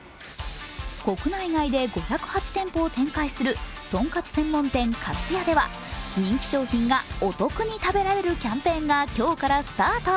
国内外で５０８店舗を展開するとんかつ専門店、かつやでは人気商品がお得に食べられるキャンペーンが今日からスタート。